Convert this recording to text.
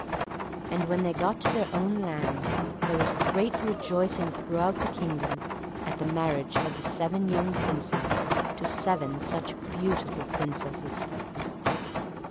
And when they got to their own land, there was great rejoicing throughout the kingdom, at the marriage of the seven young Princes to seven such beautiful Princesses.